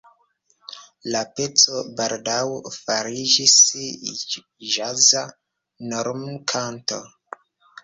La peco baldaŭ fariĝis ĵaza normkanto.